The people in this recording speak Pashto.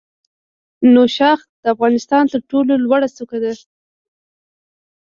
نوشاخ د افغانستان تر ټولو لوړه څوکه ده